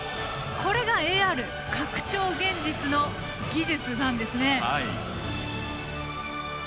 これがＡＲ＝拡張現実の技術なんですね。